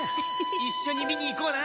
一緒に見に行こうな